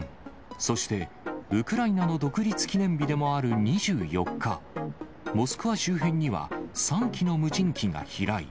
そして、ウクライナの独立記念日でもある２４日、モスクワ周辺には３機の無人機が飛来。